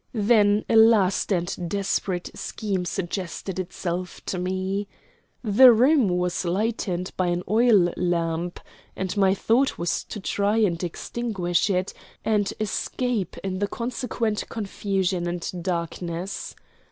Then a last and desperate scheme suggested itself to me. The room was lighted by an oil lamp, and my thought was to try and extinguish it, and escape in the consequent confusion and darkness.